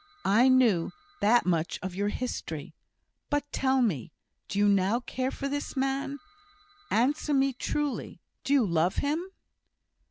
I knew that much of your history; but tell me, do you now care for this man? Answer me truly do you love him?"